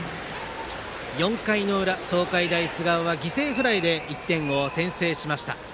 ４回の裏、東海大菅生は犠牲フライで１点を先制しました。